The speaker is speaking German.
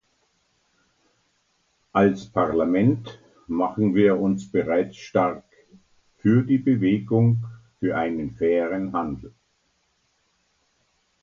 Als Parlament machen wir uns bereits stark für die Bewegung für einen fairen Handel.